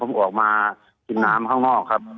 ผมออกมากินน้ำข้างนอกครับ